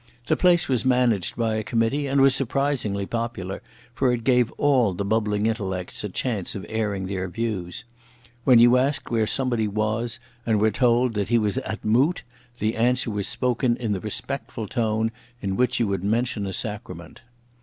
The place was managed by a committee and was surprisingly popular, for it gave all the bubbling intellects a chance of airing their views. When you asked where somebody was and were told he was "at Moot," the answer was spoken in the respectful tone in which you would mention a sacrament.